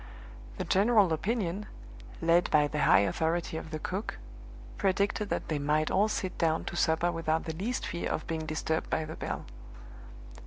The general opinion, led by the high authority of the cook, predicted that they might all sit down to supper without the least fear of being disturbed by the bell.